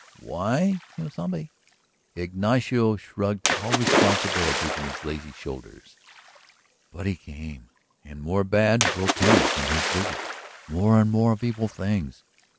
"Why? Quien sabe?" Ignacio shrugged all responsibility from his lazy shoulders. "But he came and more bad will come from his visit, more and more of evil things.